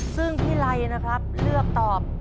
ซึ่งพี่ไลนะครับเลือกตอบ